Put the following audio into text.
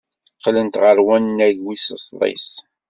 Qqlent ɣer wannag wis sḍis.